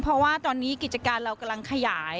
เพราะว่าตอนนี้กิจการเรากำลังขยาย